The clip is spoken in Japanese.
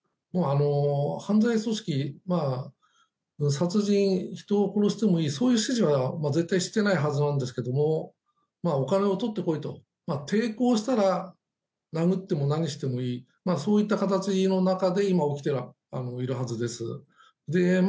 犯罪組織殺人、人を殺してもいいそういう指示は絶対していないはずなんですがお金を取って来いと抵抗したら殴っても何してもいいそういった形の中で今起きているはずです。